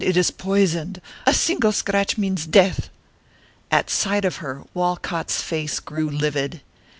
it is poisoned; a single scratch means death!" At sight of her, Walcott's face grew livid.